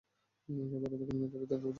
গত রাতে কোন মেয়েকে ভেতরে ঢুকতে দেননি তো?